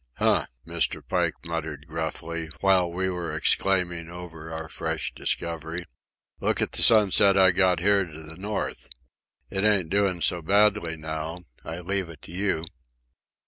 "Huh!" Mr. Pike muttered gruffly, while we were exclaiming over our fresh discovery. "Look at the sunset I got here to the north. It ain't doing so badly now, I leave it to you."